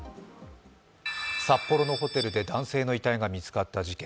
札幌のホテルで男性の遺体が見つかった事件。